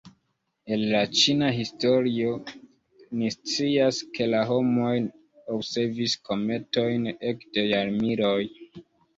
El la ĉina historio ni scias, ke la homoj observis kometojn ekde jarmiloj.